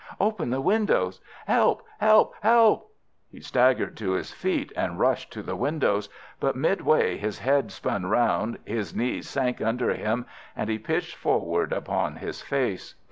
Open the windows! Help! help! help!" He staggered to his feet and rushed to the windows, but midway his head spun round, his knees sank under him, and he pitched forward upon his face.